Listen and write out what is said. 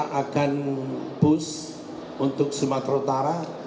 kita akan push untuk sumatera utara